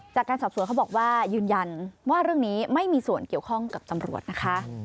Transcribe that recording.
จากการสอบสวนเขาบอกว่ายืนยันว่าเรื่องนี้ไม่มีส่วนเกี่ยวข้องกับตำรวจนะคะ